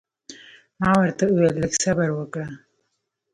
ما ورته وویل لږ صبر وکړه.